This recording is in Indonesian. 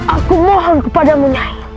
aku mohon kepadamu nyai